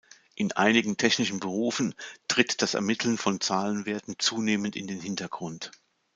In einigen technischen Berufen tritt das Ermitteln von Zahlenwerten zunehmend in den Hintergrund.